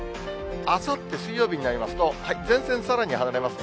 あさって水曜日になりますと、前線、さらに離れます。